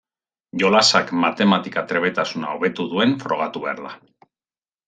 Jolasak matematika-trebetasuna hobetu duen frogatu behar da.